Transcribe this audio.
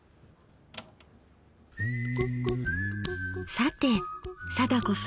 さて貞子さん。